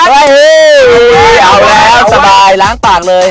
โอ้โหเอาแล้วสบายล้างปากเลย